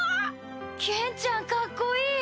ケンちゃんカッコいい！